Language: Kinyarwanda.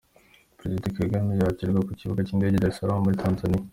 Perezida Kagame yakirwa ku kibuga cy’Indege i Dar es Salaam muri Tanzania